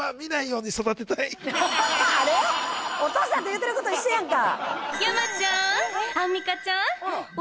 お父さんと言うてること一緒やんか！